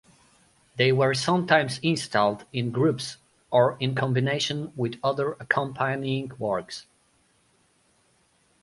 They were sometimes installed in groups or in combination with other accompanying works.